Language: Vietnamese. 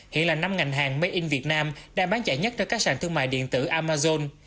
hiện là năm ngành hàng made in việt nam đang bán chạy nhất cho các sàn thương mại điện tử amazon